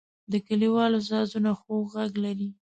د کلیوالو سازونه خوږ غږ لري.